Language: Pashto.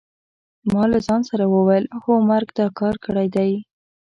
ما له ځان سره وویل: هو مرګ دا کار کړی دی.